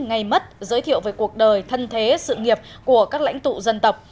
ngày mất giới thiệu về cuộc đời thân thế sự nghiệp của các lãnh tụ dân tộc